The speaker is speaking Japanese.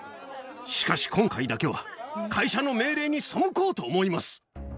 しかし今回だけは、会社の命令に背こうと思います。